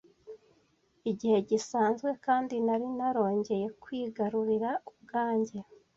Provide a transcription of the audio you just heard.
igihe gisanzwe, kandi nari narongeye kwigarurira ubwanjye.